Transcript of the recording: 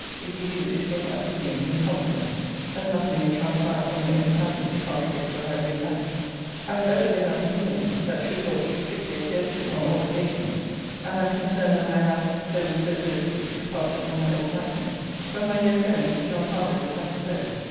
If you do, it will, I presume, be in confidence; that nothing may transpire from your own family to contradict what I have given out.] [I have ever been of opinion, That truth ought to be strictly adhered to on all occasions: and am concerned that I have, (though with so good a view,) departed from my old maxim. But my dear friend Mr. John Harlowe would have it so.